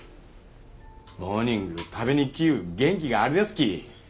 モーニング食べに来ゆう元気があるやすき